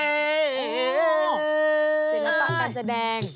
ศิลปะการแสดง